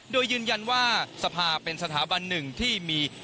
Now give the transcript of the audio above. โดยยืนยันว่าสภาเป็นสถาบันหนึ่งที่มี